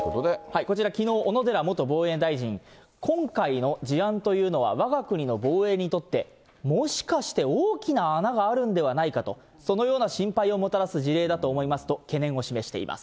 こちら、きのう、小野寺元防衛大臣、今回の事案というのは、わが国の防衛にとってもしかして大きな穴があるんではないかと、そのような心配をもたらす事例だと思いますと、懸念を示しています。